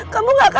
kamu gak akan